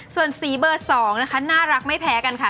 ส่วนสีเบอร์๒นะคะน่ารักไม่แพ้กันค่ะ